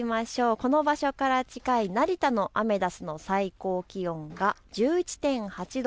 この場所から近い成田のアメダスの最高気温が１１．８度。